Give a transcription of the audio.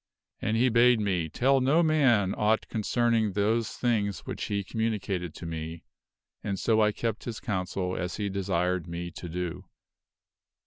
"And he bade me tell no man aught concerning those things which he communicated to me, and so I kept his counsel as he desired me to do.